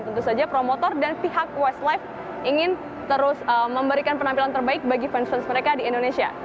tentu saja promotor dan pihak westlife ingin terus memberikan penampilan terbaik bagi fans fans mereka di indonesia